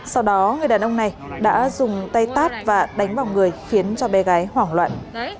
sau đó người đàn ông này đã dùng tay tát và đánh vào người khiến cho bé gái hoảng loạn